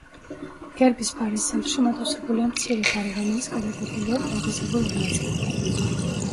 გერბის ფარის ცენტრში მოთავსებულია მცირე ფარი, რომელიც გადაკვეთილია ტალღისებურ ორ ნაწილად.